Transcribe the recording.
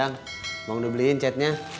ayang mau gue beliin catnya